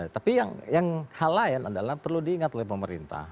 tapi yang hal lain adalah perlu diingat oleh pemerintah